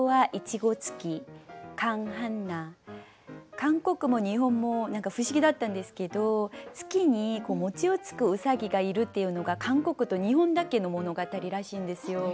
韓国も日本も不思議だったんですけど月にをつく兎がいるっていうのが韓国と日本だけの物語らしいんですよ。